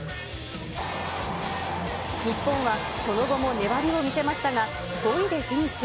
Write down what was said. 日本はその後も粘りを見せましたが、５位でフィニッシュ。